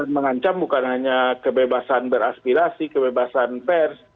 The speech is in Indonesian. dan mengancam bukan hanya kebebasan beraspirasi kebebasan pers